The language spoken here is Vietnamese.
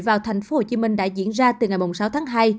vào tp hcm đã diễn ra từ ngày sáu tháng hai